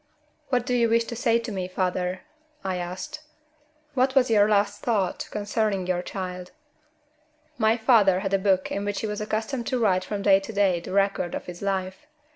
"What do you wish to say to me, father?" I asked. "What was your last thought concerning your child?" My father had a book in which he was accustomed to write from day to day the record of his life.